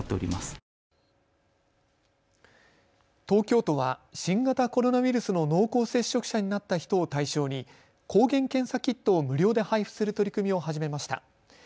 東京都は新型コロナウイルスの濃厚接触者になった人を対象に抗原検査キットを無料で配布する取り組みを始めました。